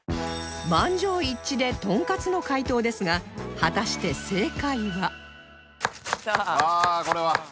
満場一致でトンカツの解答ですが果たして正解は？